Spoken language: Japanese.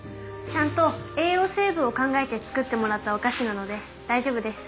ちゃんと栄養成分を考えて作ってもらったお菓子なので大丈夫です。